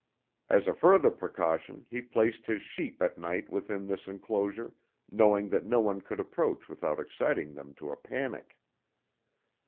As a further precaution he placed his sheep at night within this enclosure, knowing that no one could approach without exciting them to a panic.